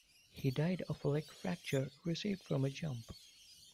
He died of a leg fracture received from a jump.